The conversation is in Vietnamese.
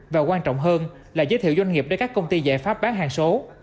và quan trọng hơn là giới thiệu doanh nghiệp để các công ty giải pháp bán hàng số